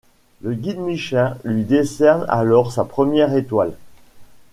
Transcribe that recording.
Le Guide Michelin lui décerne alors sa première étoile.